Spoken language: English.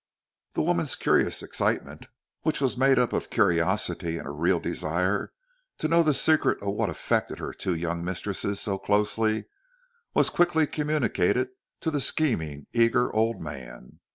The woman's curious excitement, which was made up of curiosity and a real desire to know the secret of what affected her two young mistresses so closely, was quickly communicated to the scheming, eager old man.